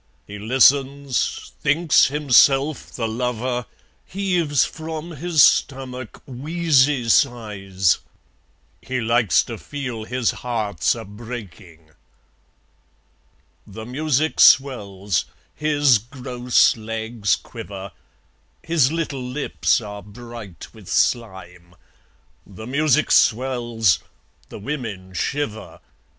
He listens, thinks himself the lover, Heaves from his stomach wheezy sighs; He likes to feel his heart's a breaking. The music swells. His gross legs quiver. His little lips are bright with slime. The music swells. The women shiver.